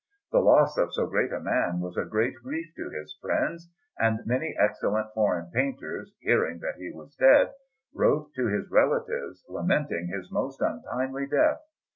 The loss of so great a man was a great grief to his friends; and many excellent foreign painters, hearing that he was dead, wrote to his relatives lamenting his most untimely death.